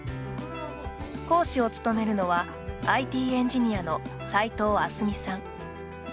講師を務めるのはＩＴエンジニアの齋藤明日美さん。